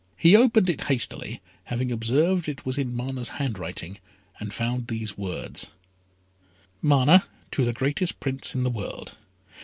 He opened it hastily, having observed it was in Mana's handwriting, and found these words: "Mana, to the greatest Prince in the world.